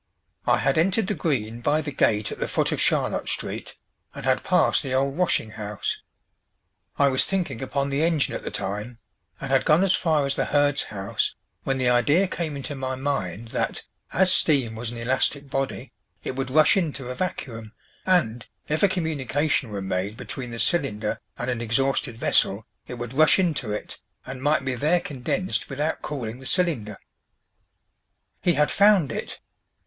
I had entered the Green by the gate at the foot of Charlotte Street, and had passed the old washing house. I was thinking upon the engine at the time, and had gone as far as the herd's house, when the idea came into my mind that, as steam was an elastic body, it would rush into a vacuum, and, if a communication were made between the cylinder and an exhausted vessel, it would rush into it, and might be there condensed without cooling the cylinder." He had found it!